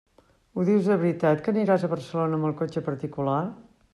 Ho dius de veritat que aniràs a Barcelona amb el cotxe particular?